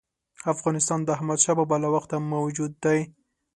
افغانستان د احمدشاه بابا له وخته موجود دی.